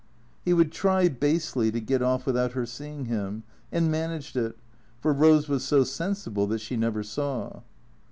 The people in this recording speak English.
He would try, basely, to get off without her seeing him, and managed it, for Eose was so sensible that she never saw.